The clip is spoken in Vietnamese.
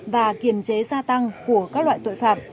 và kiềm chế gia tăng của các loại tội phạm